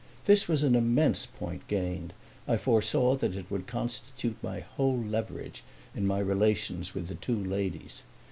This was an immense point gained; I foresaw that it would constitute my whole leverage in my relations with the two ladies.